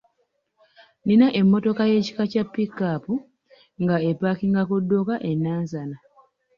Nina emmotoka ey’ekika kya ‘pickup’ nga epaakinga ku dduuka e Nansana.